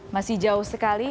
masih jauh sekali